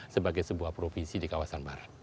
sebagai sebuah provinsi di kawasan barat